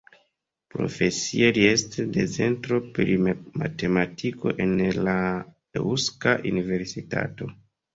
Profesie li estas docento pri matematiko en la Eŭska Universitato.